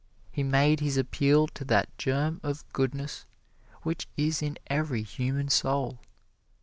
He made his appeal to that germ of goodness which is in every human soul.